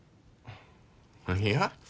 いや。